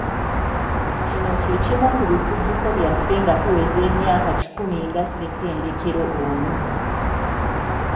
Kino kyekimu ku bijjukizo byaffe nga tuweza emyaka kikumi nga ssettendekero ono.